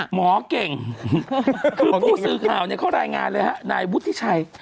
หมอเก่งคือผู้สื่อข่าวเขารายงานเลยฮะนายวุฒิชัย